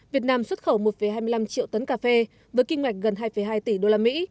việt nam xuất khẩu một hai mươi năm triệu tấn cà phê với kinh ngạch gần hai hai tỷ usd